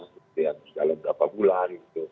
seperti harus jalan berapa bulan